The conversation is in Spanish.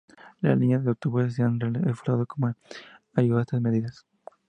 Las líneas de autobús se han reforzado como ayuda a estas medidas.